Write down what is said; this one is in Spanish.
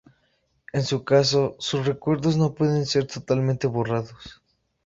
En su caso, sus recuerdos no pueden ser totalmente borrados.